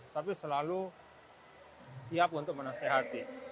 tapi selalu siap untuk menasehati